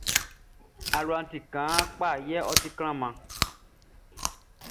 Aluaʼn ti kaan kpa yɛ ɔ ti klanman.